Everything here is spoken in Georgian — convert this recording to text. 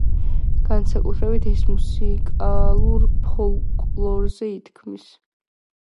განსაკუთრებით ეს მუსიკალურ ფოლკლორზე ითქმის.